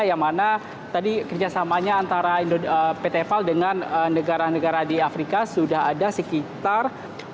yang mana tadi kerjasamanya antara pt pal dengan negara negara di afrika sudah ada sekitar